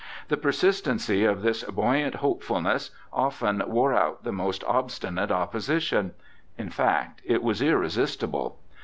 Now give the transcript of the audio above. The persistency of this buoyant hopefulness often wore out the most obstinate opposition ; in fact, it was irresistible.